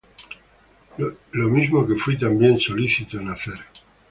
lo mismo que fuí también solícito en hacer.